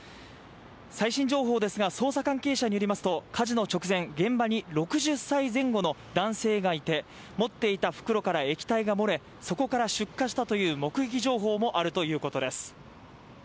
最新情報ですが、捜査関係者によりますと、火事の直前、現場に６０歳前後の男性がいて、持っていた袋から液体が漏れそこから出火したという目撃情報もあるということです。